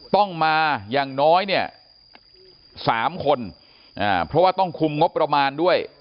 ต้องมาอย่างน้อยเนี่ย๓คนเพราะว่าต้องคุมงบประมาณด้วย